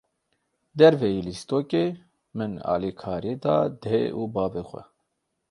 Derveyî lîstokê, min alîkarî da dê û bavê xwe.